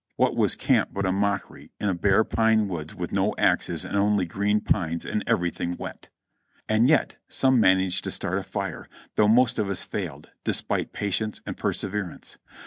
What was €amp but a mockery, in a bare pine w^oods with no axes and only green pines and everything wet? And yet some managed to start a fire, though most of us failed, despite patience and perseverance.